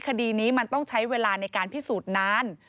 คดีนี้มันต้องใช้เวลาในการพิสูจน์นาน